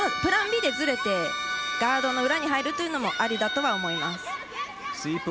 プランＢでずれてガードの裏に入るというのもありだと思います。